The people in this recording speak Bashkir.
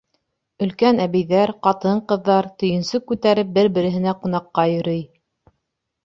Өлкән әбейҙәр, ҡатын-ҡыҙҙар, төйөнсөк күтәреп, бер-береһенә ҡунаҡҡа йөрөй.